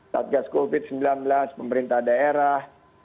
satgas covid sembilan belas pemerintah daerah